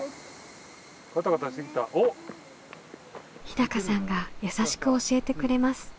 日高さんが優しく教えてくれます。